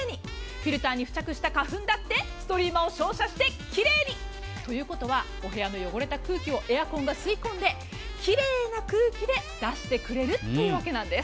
フィルターに付着した花粉だってストリーマを照射して奇麗に。ということはお部屋の汚れた空気をエアコンが吸い込んで奇麗な空気で出してくれるというわけなんです。